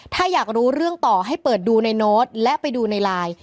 ถ้าอยากรู้เรื่องต่อให้เปิดดูในโน้ตและไปดูในไลน์